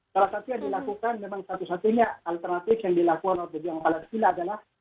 salah satu yang dilakukan memang satu satunya alternatif yang dilakukan oleh pejuang palestina adalah